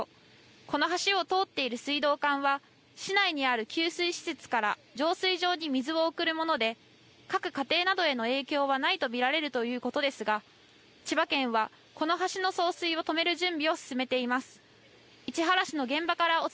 また、県企業局給水課によりますと、この橋を通っている水道管は市内にある給水施設から浄水場に水を送るもので各家庭などへの影響はないと見られるということですが千葉県は、この橋の送水を止める準備を進めています。